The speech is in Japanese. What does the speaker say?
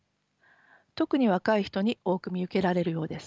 特に若い人に多く見受けられるようです。